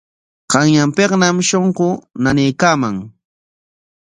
Qanyanpikñam shunquu nanaykaaman.